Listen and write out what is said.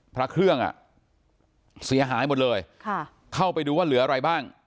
พระเครื่องอ่ะเสียหายหมดเลยค่ะเข้าไปดูว่าเหลืออะไรบ้าง